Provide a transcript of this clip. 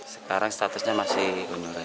sekarang statusnya masih honorer